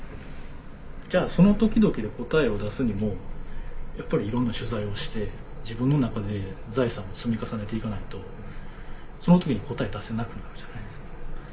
じゃあその時々で答えを出すにもやっぱりいろんな取材をして自分の中で財産を積み重ねて行かないとその時に答え出せなくなるじゃないですか。